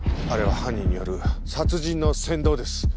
あれは犯人による殺人の扇動です。